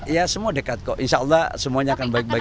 ya semua dekat kok insya allah semuanya akan baik baik